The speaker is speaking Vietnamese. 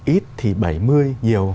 ít thì bảy mươi nhiều